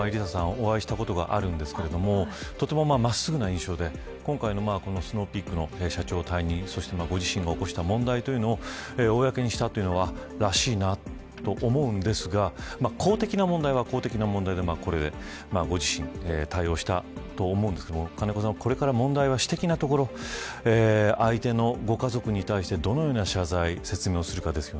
お会いしたことがあるんですけどとても真っすぐな印象で今回、スノーピークの社長退任ご自身が起こした問題というのを公にしたというのはらしいな、と思うんですが公的な問題は、公的な問題でご自身、対応したと思うんですがこれから問題は、私的なところ相手のご家族に対してどのような謝罪説明をするかです。